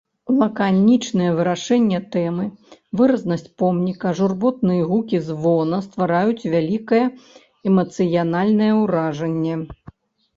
Лаканічнае вырашэнне тэмы, выразнасць помніка, журботныя гукі звона ствараюць вялікае эмацыянальнае ўражанне.